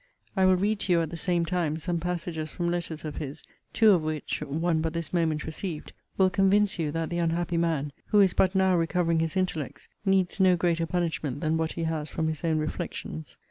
I will read to you, at the same time, some passages from letters of his; two of which (one but this moment received) will convince you that the unhappy man, who is but now recovering his intellects, needs no greater punishment than what he has from his own reflections.